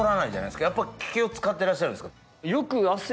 やっぱ気を使ってらっしゃるんですか？